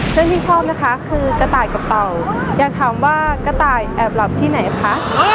ที่ชอบนะคะคือกระต่ายกระเป๋าอยากถามว่ากระต่ายแอบหลับที่ไหนคะ